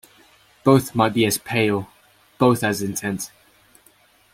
Both might be as pale, both as intent.